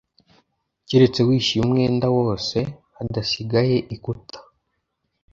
keretse wishyuye umwenda wose hadasigaye ikuta